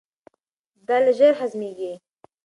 دال ژر هضمیږي.